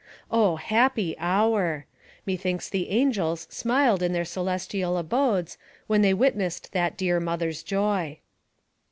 Oh! happy hour! Methinks the angels smiled in their celestial abodes when they witnessed that dear mother's joy.